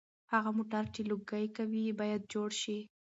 هغه موټر چې لوګي کوي باید جوړ شي.